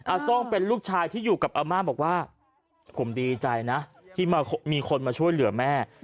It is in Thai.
ซ่องเป็นลูกชายที่อยู่กับอาม่าบอกว่าผมดีใจนะที่มีคนมาช่วยเหลือแม่